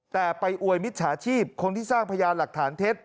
แต่ไปอวยมิจฉาชีพคนที่สร้างพยานหลักฐานเท็จ